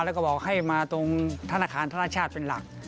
แล้วก็บอกให้มาตรงธนาคารธนชาติเป็นหลัก